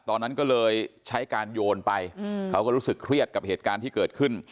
ตอนนั้นก็เลยใช้การโยนไปเขาก็รู้สึกเครียดกับเหตุการณ์ที่เกิดขึ้น